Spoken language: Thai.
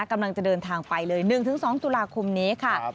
กำลังจะเดินทางไปเลย๑๒ตุลาคมนี้ค่ะ